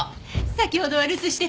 先ほどは留守してて。